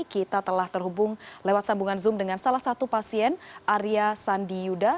kita telah terhubung lewat sambungan zoom dengan salah satu pasien arya sandi yuda